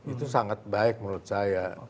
itu sangat baik menurut saya